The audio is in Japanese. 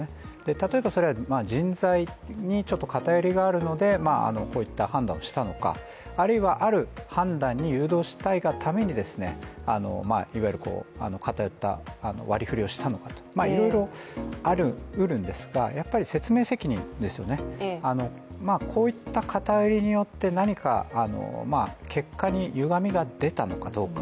例えばそれは人材にちょっと偏りがあるのでこういった判断をしたのかあるいは、ある判断に誘導したいがためにいわゆる偏った割り振りをしたのかといろいろありうるんですがやっぱり説明責任ですよね、こういった偏りによって、何か結果にゆがみが出たのかどうか。